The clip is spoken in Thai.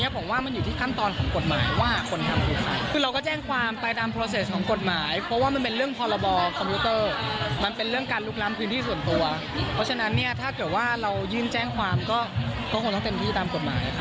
เพราะฉะนั้นถ้าเกิดว่ายืนแจ้งความก็คงต้องเต็มที่ตามกฎหมาย